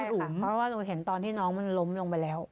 อุ๋มเพราะว่าหนูเห็นตอนที่น้องมันล้มลงไปแล้ว